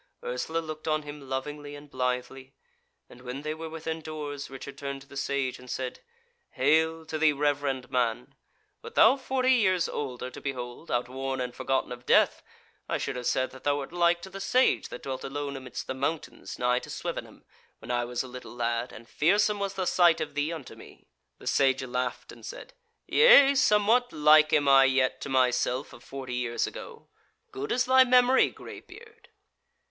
Ursula looked on him lovingly and blithely; and when they were within doors Richard turned to the Sage and said: "Hail to thee, reverend man! wert thou forty years older to behold, outworn and forgotten of death, I should have said that thou wert like to the Sage that dwelt alone amidst the mountains nigh to Swevenham when I was a little lad, and fearsome was the sight of thee unto me." The Sage laughed and said: "Yea, somewhat like am I yet to myself of forty years ago. Good is thy memory, greybeard."